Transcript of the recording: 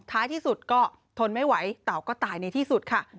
ท้ายที่สุดก็ทนไม่ไหวเต่าก็ตายในที่สุดค่ะ